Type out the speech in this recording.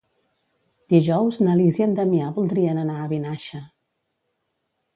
Dijous na Lis i en Damià voldrien anar a Vinaixa.